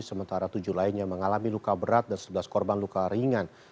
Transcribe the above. sementara tujuh lainnya mengalami luka berat dan sebelas korban luka ringan